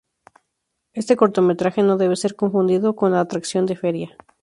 Este cortometraje no debe ser confundido con la atracción de feria.